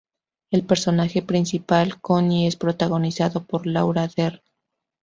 El personaje principal, Connie, es protagonizado por Laura Dern.